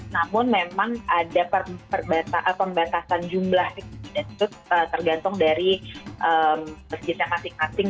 namun memang ada pembatasan jumlah restriksi dan sesuatu tergantung dari masjid yang masih kasing